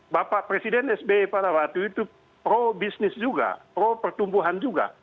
bapak presiden sbi pada waktu itu pro bisnis juga pro pertumbuhan juga